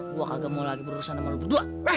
gua kagak mau lagi berusaha sama lu berdua